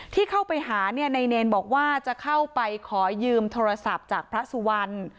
ที่เข้าไปหาเนี่ยนายเนรบอกว่าจะเข้าไปขอยืมโทรศัพท์จากพระสุวรรณ